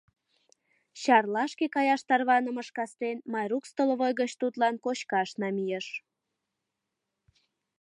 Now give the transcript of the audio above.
Чарлашке каяш тарванымыж кастен Майрук столовый гыч тудлан кочкаш намийыш.